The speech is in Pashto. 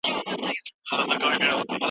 د څېړني په پیل کي مسله ټاکل کیږي.